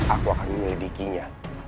aku akan menyelidikinya